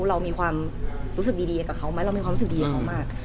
เรามีความรู้สึกดีกับเขาไหมเรามีความรู้สึกดีกับเขามาก